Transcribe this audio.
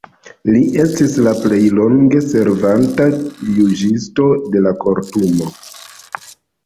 Li estis la plej longe servanta juĝisto de la Kortumo.